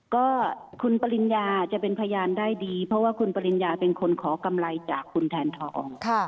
ก็คุณปริญญาจะเป็นพยานได้ดีเพราะว่าคุณปริญญาเป็นคนขอกำไรจากคุณแทนทอง